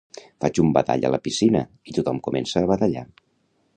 Faig un badall a la piscina i tothom comença a badallar